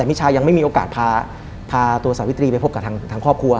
ไม่มีโอกาสพาตัวสหวิตรีไปพบกับทั้งครอบครัว